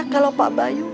kalau pak bayu